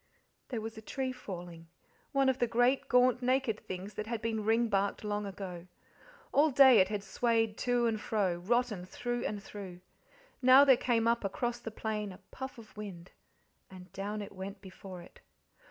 There was a tree falling, one of the great, gaunt, naked things that had been ringbarked long ago. All day it had swayed to and fro, rotten through and through; now there came up across the plain a puff of wind, and down it went before it.